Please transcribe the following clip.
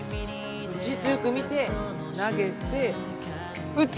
じっとよく見て投げて打つ！